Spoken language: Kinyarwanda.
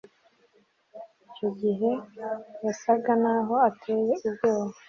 Icyo gihe yasaga naho ateye ubwoba